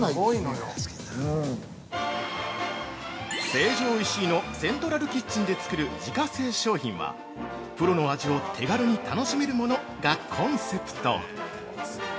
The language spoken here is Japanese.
◆成城石井のセントラルキッチンで作る自家製商品は「プロの味を手軽に楽しめるもの」がコンセプト。